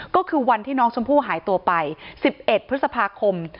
ก็คือวันที่น้องชมพู่หายตัวไป๑๑พฤษภาคม